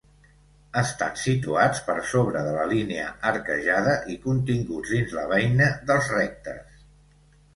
Estan situats per sobre de la línia arquejada i continguts dins la beina dels rectes.